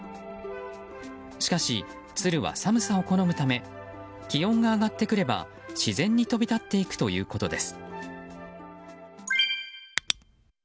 しかし、ツルは寒さを好むため気温が上がってくれば自然に飛び立っていくということです。